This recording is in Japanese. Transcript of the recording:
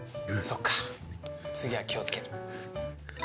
そっか、次は気をつける。